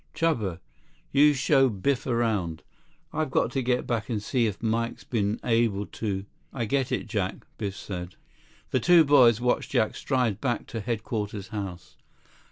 "Chuba, you show Biff around. I've got to get back and see if Mike's been able to—" "I get it, Jack," Biff said. The two boys watched Jack stride back to Headquarters House.